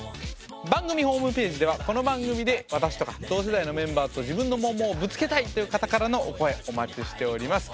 番組ホームページではこの番組で私とか同世代のメンバーと自分のモンモンをぶつけたいという方からのお声お待ちしております。